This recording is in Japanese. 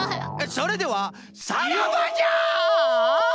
それではさらばじゃ！